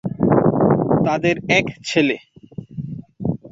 তাদের এক ছেলে।